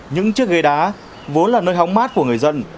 những chiếc ghế đá vốn là nơi hóng mát của người dân